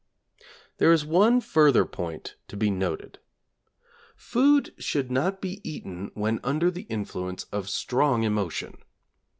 There is one further point to be noted. Food should not be eaten when under the influence of strong emotion.